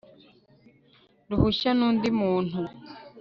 ruhushya n undi muntu